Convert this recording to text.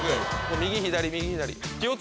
右左右左。